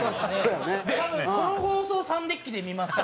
多分この放送をサンデッキで見ますね。